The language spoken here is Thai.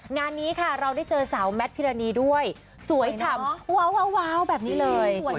งานนี้ค่ะเราได้เจอสาวแมทพิรณีด้วยสวยฉ่ำว้าวแบบนี้เลย